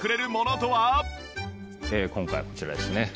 今回はこちらですね。